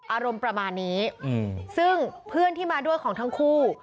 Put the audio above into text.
อารมณ์ประมาณนี้ซึ่งเพื่อนที่มาด้วยของทั้งคู่